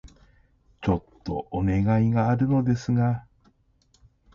ちょっとお願いがあるのですが...